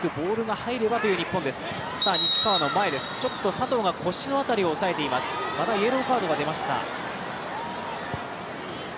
佐藤が腰の辺りを抑えています、またイエローカードが出ました。